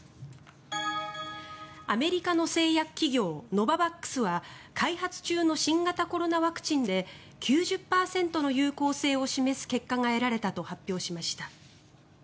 アメリカの製薬企業ノババックスは開発中の新型コロナワクチンで９０％の有効性を示す結果が得られたと発表しました。